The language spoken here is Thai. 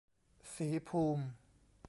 ศรีภูมิ